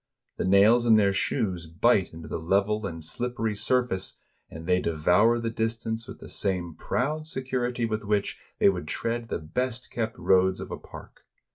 The nails in their shoes bite into the level and slippery sur face, and they devour the distance with the same proud security with which they would tread the best kept roads of a park.